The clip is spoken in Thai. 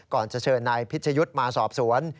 ก่อนจะเชิญนายพิชยุทธ์มาสอบสวน